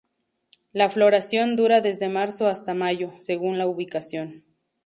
La floración dura desde marzo hasta mayo, según la ubicación.